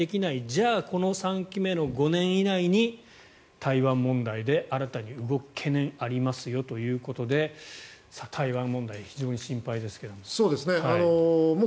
じゃあ、この３期目の５年以内に台湾問題で新たに動く懸念ありますよということで台湾問題非常に心配ですけども。